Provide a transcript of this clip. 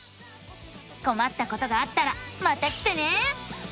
こまったことがあったらまた来てね！